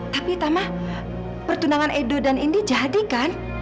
tapi tama pertunangan edo dan indi jadi kan